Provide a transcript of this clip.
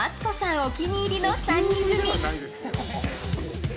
お気に入りの３人組。